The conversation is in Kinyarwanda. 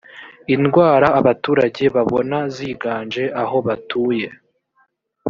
indwara abaturage babona ziganje aho batuye